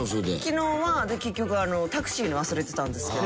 昨日はで結局タクシーに忘れてたんですけど。